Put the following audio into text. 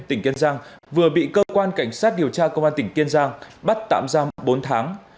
tỉnh kiên giang vừa bị cơ quan cảnh sát điều tra công an tỉnh kiên giang bắt tạm giam bốn tháng